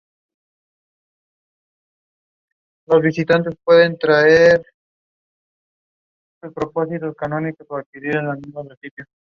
Sirvieron para elegir al alcalde de Lima y a los de sus distritos.